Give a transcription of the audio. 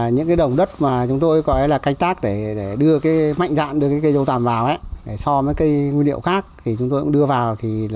những cái đồng đất mà chúng tôi gọi là cách tác để đưa cái mạnh dạng đưa cái cây dâu tầm vào để so với cây nguyên liệu khác thì chúng tôi cũng đưa vào